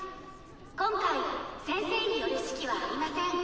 今回先生による指揮はありません。